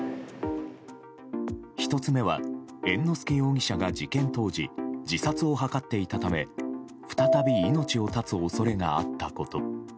１つ目は猿之助容疑者が事件当時自殺を図っていたため再び命を絶つ恐れがあったこと。